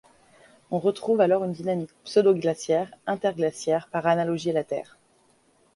On retrouve alors une dynamique pseudo-glaciaire-interglaciaire par analogie à la Terre.